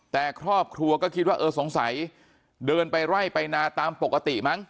แต่ครอบครัวก็คิดว่าเออสงสัยเดินไปไล่ไปนาตามปกติมั้ง